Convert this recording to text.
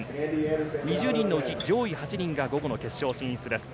２０人のうち上位８人が午後の決勝に進出です。